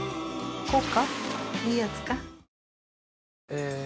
え